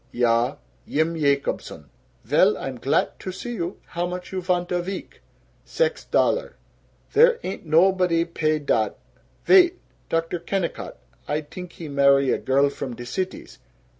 "Ya. Yim Yacobson." "Vell. I'm glat to see you. How much you vant a veek?" "Sex dollar." "There ain't nobody pay dat. Vait! Dr. Kennicott, I t'ink he marry a girl from de Cities.